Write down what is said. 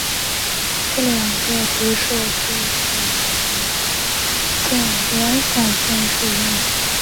这两个级数的敛散性是一样的。